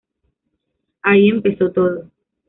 Ahí empezó todo.